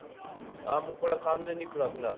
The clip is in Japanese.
あもうこれは完全に暗くなるね。